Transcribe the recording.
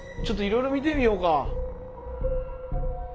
ちょっといろいろ見てみようか。